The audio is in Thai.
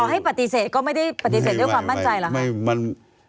ให้ปฏิเสธก็ไม่ได้ปฏิเสธด้วยความมั่นใจเหรอคะ